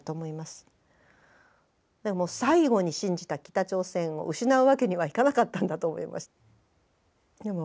でも最後に信じた北朝鮮を失うわけにはいかなかったんだと思います。